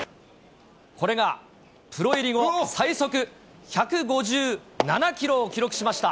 これがプロ入り後最速１５７キロを記録しました。